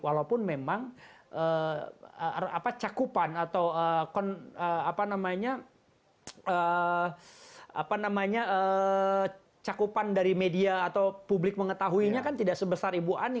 walaupun memang cakupan atau cakupan dari media atau publik mengetahuinya kan tidak sebesar ibu ani